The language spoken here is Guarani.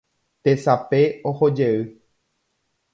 Tesape ohojey